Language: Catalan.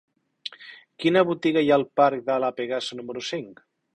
Quina botiga hi ha al parc de La Pegaso número cinc?